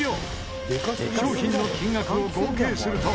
商品の金額を合計すると。